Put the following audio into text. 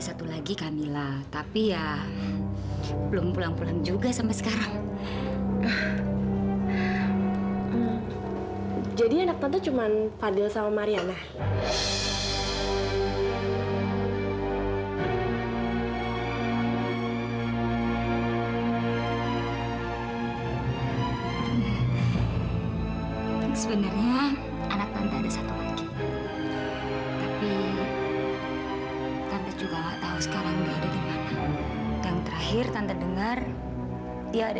sampai jumpa di video selanjutnya